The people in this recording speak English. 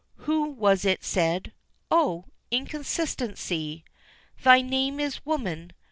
Who was it said, "O, inconsistency, Thy name is woman?"